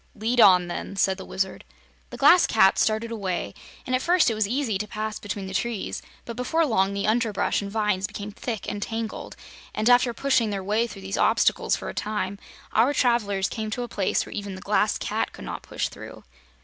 "Lead on, then," said the Wizard. The Glass Cat started away, and at first it was easy to pass between the trees; but before long the underbrush and vines became thick and tangled, and after pushing their way through these obstacles for a time, our travelers came to a place where even the Glass Cat could not push through.